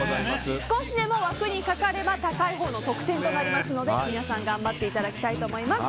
少しでも枠にかかれば高いほうの得点になりますので頑張ってください。